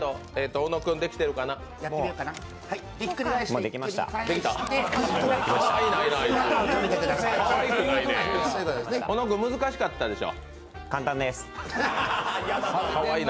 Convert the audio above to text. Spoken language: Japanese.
小野君、難しかったでしょ？